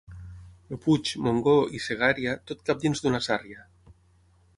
El Puig, Montgó i Segària, tot cap dins d'una sàrria.